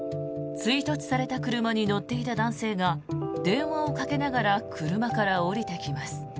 追突された車に乗っていた男性が電話をかけながら車から降りてきます。